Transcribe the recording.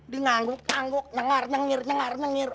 di ngangguk ngangguk nengar nengir